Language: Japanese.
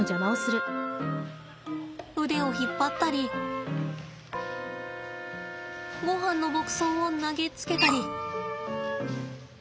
腕を引っ張ったりごはんの牧草を投げつけたり。